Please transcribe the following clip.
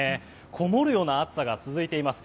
こもるような暑さが続いています。